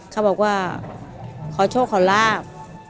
เขาบอกว่าขอโชคขอลาบ